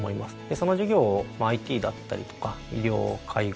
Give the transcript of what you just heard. その事業をＩＴだったりとか医療介護